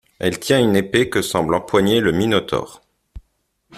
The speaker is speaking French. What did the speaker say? Elle tient une épée que semble empoigner le minotaure.